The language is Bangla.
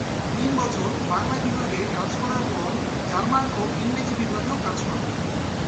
তিন বছর বাংলা বিভাগে কাজ করার পর জার্মান ও ইংরেজি বিভাগেও কাজ করেন।